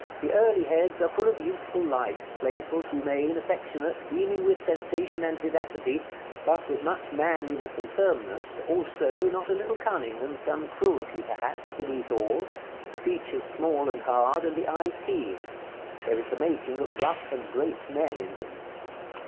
The early heads are full of youthful life, playful, humane, affectionate, beaming with sensation and vivacity, but with much manliness and firmness, also, not a little cunning, and some cruelty perhaps, beneath all; the features small and hard, and the eyes keen. There is the making of rough and great men in them.